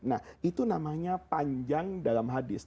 nah itu namanya panjang dalam hadis